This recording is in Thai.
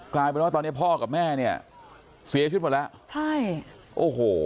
กลายเป็นว่าตอนนี้พ่อกับแม่เนี่ยเสียชีวิตหมดแล้วใช่โอ้โห